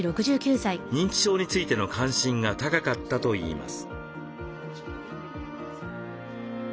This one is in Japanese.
認知症についての関心が高かったといいます。